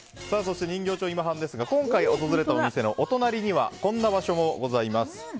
人形町今半ですが今回訪れたお店のお隣にはこんな場所もございます。